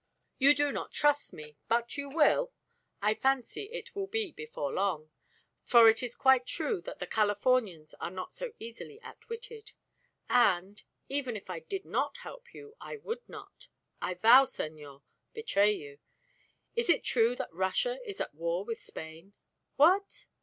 "You do not trust me, but you will. I fancy it will be before long for it is quite true that the Californians are not so easily outwitted. And even did I not help you, I would not I vow, senor! betray you. Is it true that Russia is at war with Spain?" "What?"